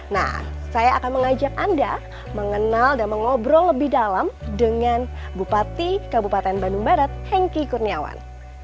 nah saya akan mengajak anda mengenal dan mengobrol lebih dalam dengan bupati kabupaten bandung barat hengki kurniawan